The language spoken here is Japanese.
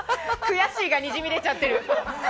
悔しいがにじみ出ちゃってる。